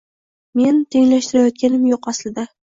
Men tenglashtirayotganim yoʻq, aslida.